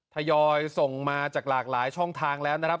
ทยอยส่งมาจากหลากหลายช่องทางแล้วนะครับ